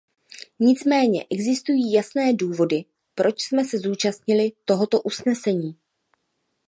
Nicméně existují jasné důvody, proč jsme se zúčastnili tohoto usnesení.